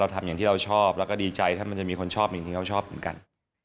ทำอย่างที่เราชอบแล้วก็ดีใจถ้ามันจะมีคนชอบอย่างที่เขาชอบเหมือนกัน